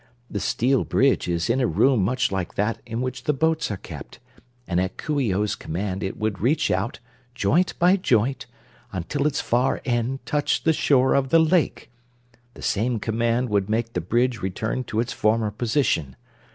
The steel bridge is in a room much like that in which the boats are kept, and at Coo ce oh's command it would reach out, joint by joint, until its far end touched the shore of the lake. The same magic command would make the bridge return to its former position.